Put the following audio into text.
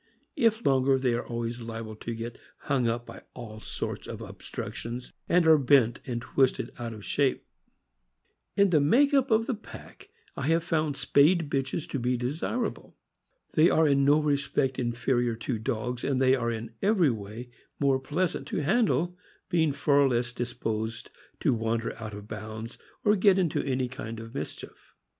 If longer, they are always liable 208 THE AMEEICAN BOOK OF THE DOG. to get hung by all sorts of obstructions, and are bent and twisted out of shape. In the make up of a pack I have found spayed bitches to be desirable. They are in no respect inferior to dogs, and they are in every way more pleasant to handle, being far less disposed to wander out of bounds or get into any kind of mischief.